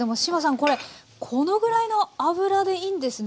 これこのぐらいの油でいいんですね。